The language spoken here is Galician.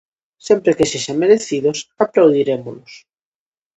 Sempre que sexan merecidos, aplaudirémolos.